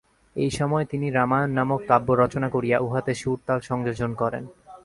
এই সময়ে তিনি রামায়ণ নামক কাব্য রচনা করিয়া উহাতে সুর-তাল সংযোজন করেন।